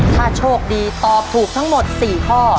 ถ้าโชคดีตอบถูกทั้งหมด๔ข้อ